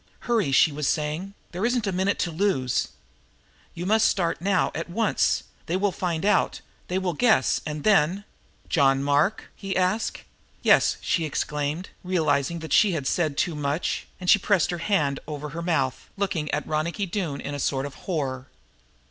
"Hurry!" she was saying. "There isn't a minute to lose. You must start now, at once. They will find out they will guess and then " "John Mark?" he asked. "Yes," she exclaimed, realizing that she had said too much, and she pressed her hand over her mouth, looking at Ronicky Doone in a sort of horror.